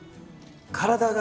体が。